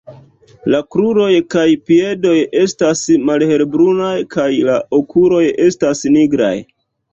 La kruroj kaj piedoj estas malhelbrunaj kaj la okuloj estas nigraj.